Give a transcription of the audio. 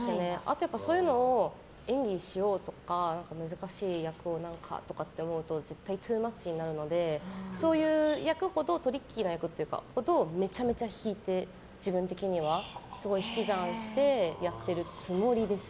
そういうのを演技しようとか難しい役を何とかとか思うと絶対トゥーマッチになるのでそういう役ほどトリッキーなことをめちゃくちゃ引いて自分的にはすごい引き算してやっているつもりです。